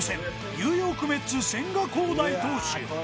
ニューヨーク・メッツ千賀滉大投手